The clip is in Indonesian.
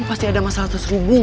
ini pasti ada masalah terserubung